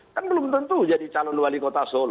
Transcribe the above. kan belum tentu jadi calon wali kota solo